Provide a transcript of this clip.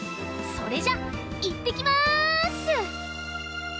それじゃいってきます！